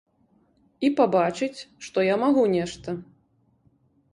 І пабачыць, што я магу нешта.